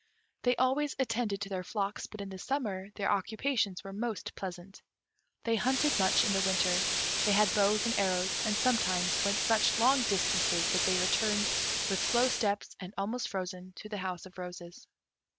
They always attended to their flocks, but in the summer their occupations were most pleasant. They hunted much in the winter; they had bows and arrows, and sometimes went such long distances that they returned, with slow steps and almost frozen, to the house of roses.